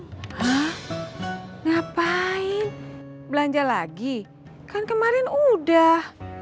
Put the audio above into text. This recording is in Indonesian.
hah ngapain belanja lagi kan kemarin udah